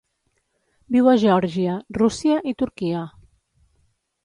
Viu a Geòrgia, Rússia i Turquia.